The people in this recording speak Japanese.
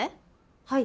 はい。